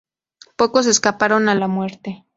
Pocos escaparon a la muerte.